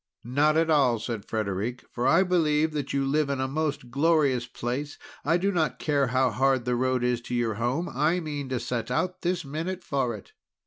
"Not at all," said Frederic, "for I believe that you live in a most glorious place. I do not care how hard the road is to your home, I mean to set out this minute for it."